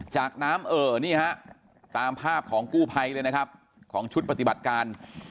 จากน้ำเอ่อนี่ฮะตามภาพของกู้ภัยเลยนะครับของชุดปฏิบัติการ